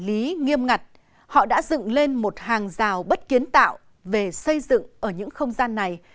quản lý nghiêm ngặt họ đã dựng lên một hàng rào bất kiến tạo về xây dựng ở những không gian này